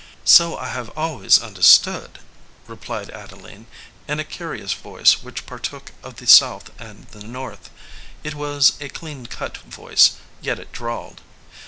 "So I have always understood," replied Adeline, in a curious voice which partook of the South and the North. It was a clean cut voice, yet it drawled.